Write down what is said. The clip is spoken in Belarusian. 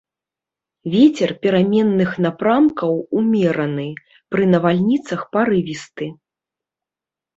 Вецер пераменных напрамкаў умераны, пры навальніцах парывісты.